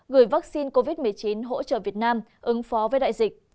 gửi vaccine covid một mươi chín hỗ trợ việt nam ứng phó với đại dịch